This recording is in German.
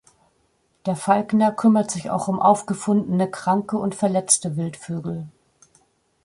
Der Falkner kümmert sich auch um aufgefundene kranke und verletzte Wildvögel.